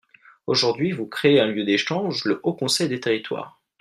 Aujourd’hui, vous créez un lieu d’échanges, le Haut conseil des territoires.